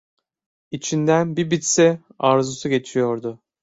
İçinden "Bir bitse!" arzusu geçiyordu.